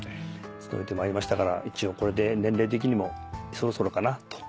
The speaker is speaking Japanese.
務めてまいりましたから一応これで年齢的にもそろそろかなと。